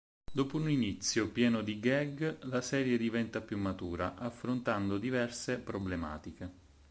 Dopo un inizio pieno di gag la serie diventa più matura, affrontando diverse problematiche.